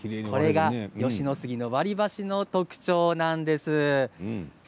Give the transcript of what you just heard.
これが吉野杉の割り箸の特徴なんです。